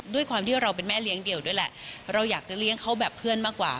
ด้วยความที่เราเป็นแม่เลี้ยงเดี่ยวด้วยแหละเราอยากจะเลี้ยงเขาแบบเพื่อนมากกว่า